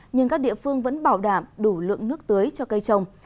nhưng các địa phương vẫn bảo đảm đủ lượng nước tưới cho cây trồng